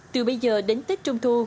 từ bây giờ đến tết trung thu